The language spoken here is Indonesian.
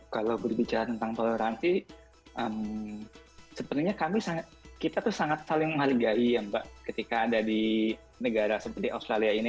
kalau berbicara tentang toleransi sebenarnya kita sangat saling menghaligai ketika ada di negara seperti australia ini